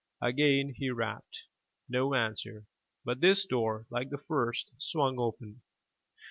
Again he rapped. No answer, but this door like the first, swung open.